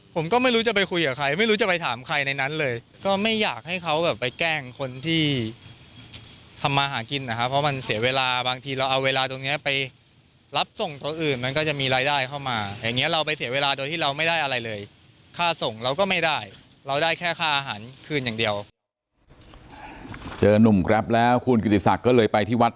ผมก็ไม่รู้จะไปคุยกับใครไม่รู้จะไปถามใครในนั้นเลย